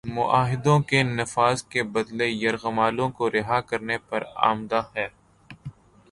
معاہدوں کے نفاذ کے بدلے یرغمالوں کو رہا کرنے پر آمادہ ہے